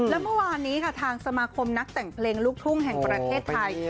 แล้วเมื่อวานนี้ค่ะทางสมาคมนักแต่งเพลงลูกทุ่งแห่งประเทศไทย